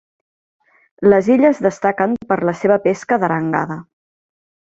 Les illes destaquen per la seva pesca d'arengada.